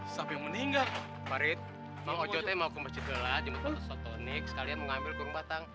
sampai meninggal farid mau jodoh mau ke masjid gelap jemput tonik sekalian mengambil kurung batang